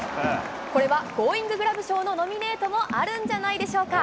これはゴーインググラブ賞のノミネートもあるんじゃないでしょうか。